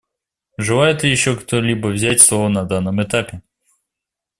Желает ли еще кто-либо взять слово на данном этапе?